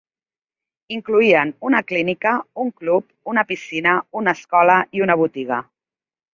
Incloïen una clínica, un club, una piscina, una escola i una botiga.